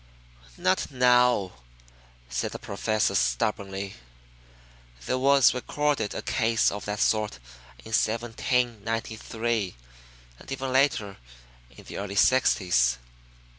"Not now," said the Professor stubbornly. "There was recorded a case of that sort in 1793, and even later in the early sixties.